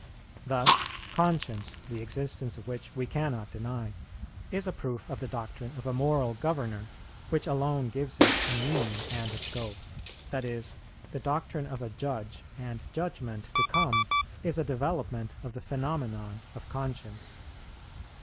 Thus conscience, the existence of which we cannot deny, is a proof of the doctrine of a Moral Governor, which alone gives it a meaning and a scope; that is, the doctrine of a Judge and Judgment to come is a development of the phenomenon of conscience.